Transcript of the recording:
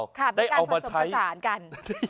ได้เอามาใช้ค่ะเป็นการผสมภาษากัน